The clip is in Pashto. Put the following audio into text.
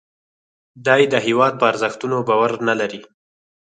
دی د هیواد په ارزښتونو باور نه لري